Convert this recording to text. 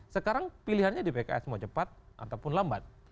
sekarang pilihannya di pks mau cepat ataupun lambat